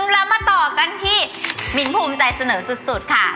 แล้วมาต่อกันที่มิ้นภูมิใจเสนอสุดค่ะ